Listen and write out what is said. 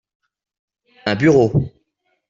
Un bureau.